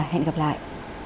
hẹn gặp lại